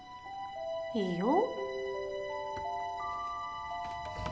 いいよ。